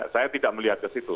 saya tidak melihat ke situ